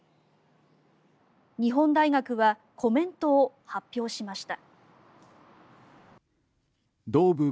日本大学はコメントを発表しました。